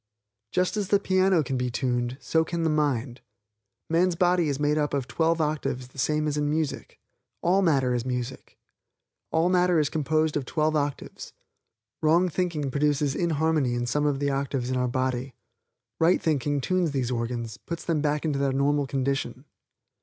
Just as the piano can be tuned, so can the mind. Man's body is made up of twelve octaves the same as in music. All matter is music. All matter is composed of twelve octaves. Wrong thinking brings inharmony in some of the octaves of our body. Right thinking tunes these organs, puts them back into their normal condition.